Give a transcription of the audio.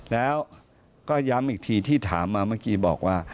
แล้วก็ย้ำอีกทีที่ถามมาเมื่อกี้บอกว่า